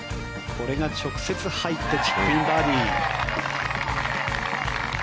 これが直接入ってチップインバーディー。